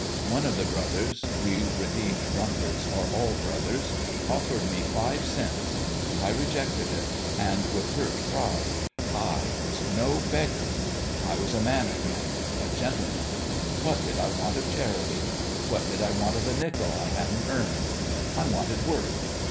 One of the brothers we redeemed drunkards are all brothers offered me five cents. I rejected it and with hurt pride. I was no beggar ! I was a man again a gentle man ! What did I want of charity f What did I want of a nickel I hadn't earned ? I wanted work.